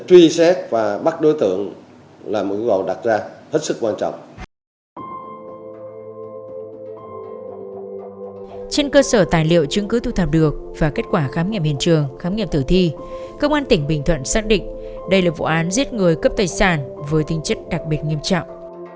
trên cơ sở tài liệu chứng cứ thu thập được và kết quả khám nghiệm hiện trường khám nghiệm tử thi công an tỉnh bình thuận xác định đây là vụ án giết người cấp tài sản với tính chất đặc biệt nghiêm trọng